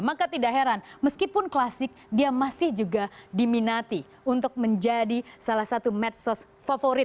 maka tidak heran meskipun klasik dia masih juga diminati untuk menjadi salah satu medsos yang terkenal di dunia